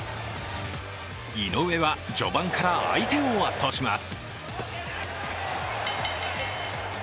井上は序盤から相手を圧倒します。